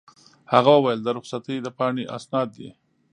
هغه وویل: د رخصتۍ د پاڼې اسناد دي.